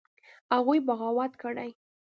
هغوى بغاوت کړى.